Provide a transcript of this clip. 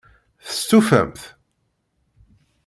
Testufamt?